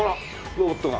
ロボットが。